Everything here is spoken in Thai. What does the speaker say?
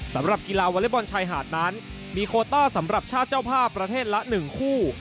สำหรับกีฬาวอเล็กบอลชายหาดนั้นมีโคต้าสำหรับชาติเจ้าภาพประเทศละ๑คู่